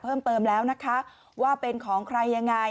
เพิ่มเติมแล้วนะคะว่าเป็นของใครยังไง